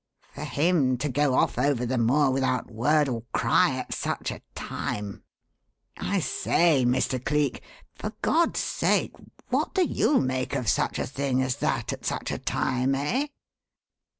For him to go off over the moor without word or cry at such a time I say, Mr. Cleek! For God's sake, what do you make of such a thing as that at such a time, eh?"